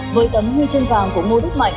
với tấm huy chương vàng của mô đúc mạnh